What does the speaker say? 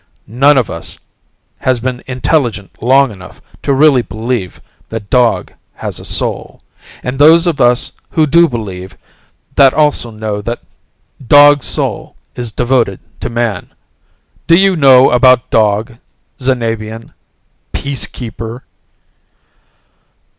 None of us has been intelligent long enough to really believe that dog has a soul, and those of us who do believe that also know that dog's soul is devoted to man. Do you know about dog, Xanabian Peacekeeper?"